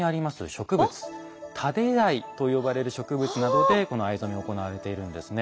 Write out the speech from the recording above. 植物タデアイと呼ばれる植物などでこの藍染めが行われているんですね。